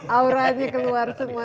auranya keluar semua